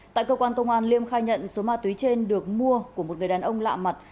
tại cơ quan công an liêm khai nhận số ma túy trên được mua của một người đàn ông lạ mặt